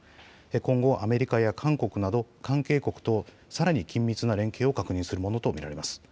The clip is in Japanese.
今後、アメリカや韓国など関係国とさらに緊密な連携を確認するものと見られます。